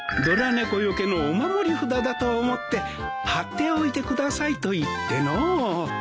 「ドラ猫よけのお守り札だと思って張っておいてください」と言ってのう。